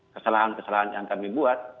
kesalahan kesalahan yang kami buat